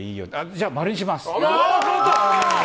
じゃあ、○にします。